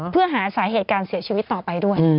เพื่อหาสาเหตุการเสียชีวิตต่อไปด้วย